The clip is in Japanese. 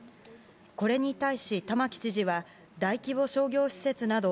これに対し玉城知事は、大規模商業施設など、